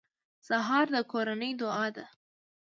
سهار د کورنۍ دعا ده.